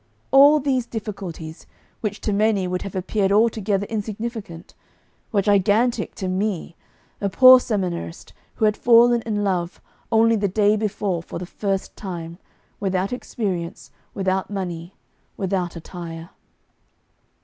All these difficulties, which to many would have appeared altogether insignificant, were gigantic to me, a poor seminarist who had fallen in love only the day before for the first time, without experience, without money, without attire.